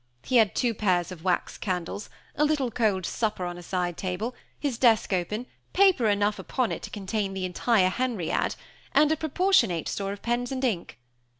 He had two pairs of wax candles, a little cold supper on a side table, his desk open, paper enough upon it to contain the entire Henriade, and a proportionate store of pens and ink.